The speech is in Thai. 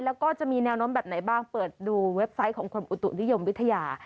แล้วก็จะมีแนวโน้มแบบไหนบ้างเปิดดูเว็บไซต์ของกรมอุตุนิยมวิทยา